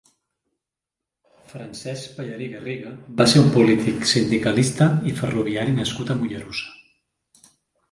Francesc Pelegrí Garriga va ser un polític, sindicalista i ferroviari nascut a Mollerussa.